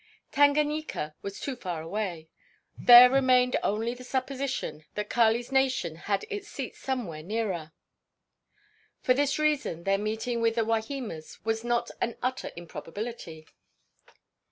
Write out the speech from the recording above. Tanganyika was too far away; there remained only the supposition that Kali's nation had its seat somewhere nearer. For this reason their meeting with the Wahimas was not an utter improbability.